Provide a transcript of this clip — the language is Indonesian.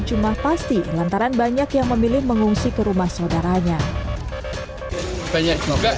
jumlah pasti antara warga dan tni yang dikeluarkan dari barang barang dengan kebanyakan warga dan tni yang dikeluarkan